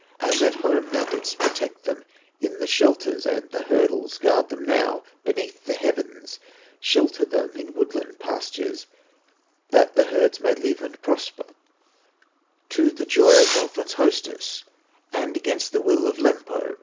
As at home Thou didst protect them In the shelters and the hurdles, Guard them now beneath the heavens, Shelter them in woodland pastures, That the herds may live and prosper To the joy of Northland's hostess, And against the will of Lempo.